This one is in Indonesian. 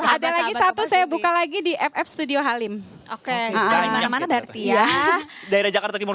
ada lagi satu saya buka lagi di ff studio halim oke dari mana mana berarti ya daerah jakarta timur